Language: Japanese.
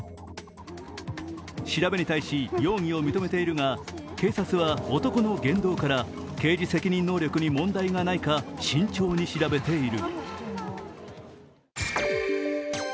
調べに対し容疑を認めているが警察は男の言動から刑事責任能力に問題がないか慎重に調べている。